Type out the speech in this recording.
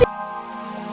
kami benar benar lapar